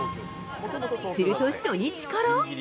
すると、初日から。